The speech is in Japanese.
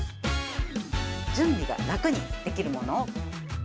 準備が楽にできるものを。